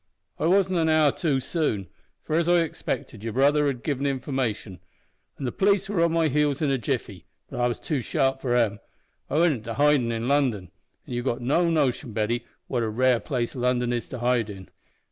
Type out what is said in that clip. I wasn't an hour too soon, for, as I expected, your brother had given information, an' the p'lice were on my heels in a jiffy, but I was too sharp for 'em. I went into hidin' in London; an' you've no notion, Betty, what a rare place London is to hide in!